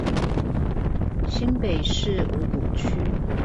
新北市五股區